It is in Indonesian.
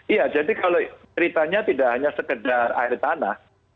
iya jadi kalau ceritanya tidak hanya sekedar air tanah